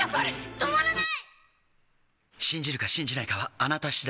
止まらない！